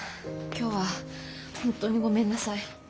今日は本当にごめんなさい。